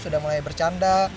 sudah mulai bercanda